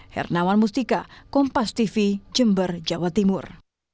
hernawan mustika kompas tv jember jawa timur